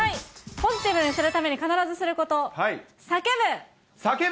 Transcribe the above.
ポジティブにするために必ずすること、叫ぶ。